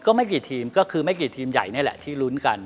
ไม่กี่ทีมก็คือไม่กี่ทีมใหญ่นี่แหละที่ลุ้นกัน